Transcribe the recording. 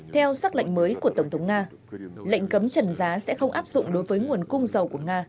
theo sắc lệnh mới của tổng thống nga lệnh cấm trần giá sẽ không áp dụng đối với nguồn cung dầu của nga